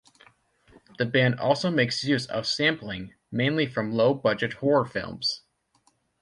The band also makes use of sampling, mainly from low-budget horror films.